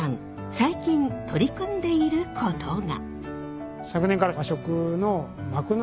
最近取り組んでいることが。